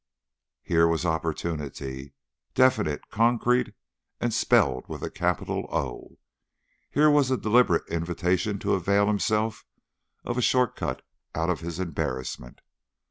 Here was opportunity, definite, concrete, and spelled with a capital O, here was a deliberate invitation to avail himself of a short cut out of his embarrassment.